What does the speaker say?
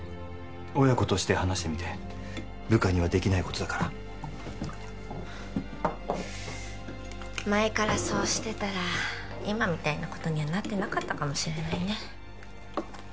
親子として話してみて部下にはできないことだから前からそうしてたら今みたいなことにはなってなかったかもしれないね